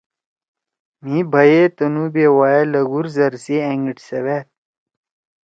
مھی بھئی ئے تُنُو بیوا ئے لھگُور زر سی أنیگیٹ سیوأد۔